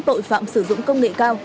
tội phạm sử dụng công nghệ cao